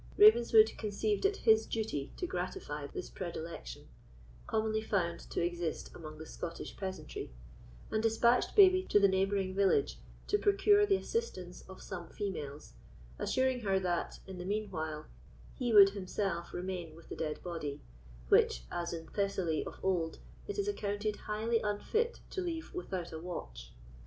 Ravenswood conceived it his duty to gratify this predilection, commonly found to exist among the Scottish peasantry, and despatched Babie to the neighbouring village to procure the assistance of some females, assuring her that, in the mean while, he would himself remain with the dead body, which, as in Thessaly of old, it is accounted highly unfit to leave without a watch.